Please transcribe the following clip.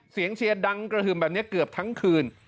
เสียงเชียร์ดังกระหึมแบบเนี่ยเกือบทั้งคืน